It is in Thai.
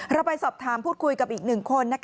เราไปสอบถามพูดคุยกับอีกหนึ่งคน